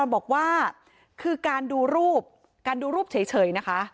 บอกว่าคือการดูรูปการดูรูปเฉยนะคะ